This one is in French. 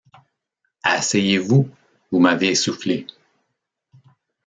Asseyez-vous, vous m’avez essoufflé.